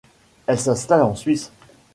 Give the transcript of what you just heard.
Elle s'installe en Suisse.